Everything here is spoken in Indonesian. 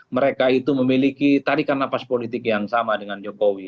mereka itu memiliki tarikan nafas politik yang sama dengan jokowi